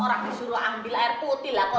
orang disuruh ambil air putih lah kok